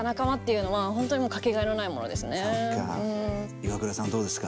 イワクラさんどうですか？